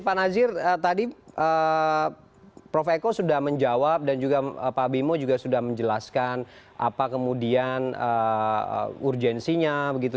pak nazir tadi prof eko sudah menjawab dan juga pak bimo juga sudah menjelaskan apa kemudian urgensinya begitu